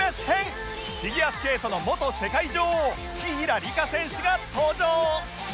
フィギュアスケートの元世界女王紀平梨花選手が登場！